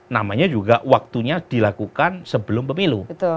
namanya juga waktunya dilakukan sebelum pemilu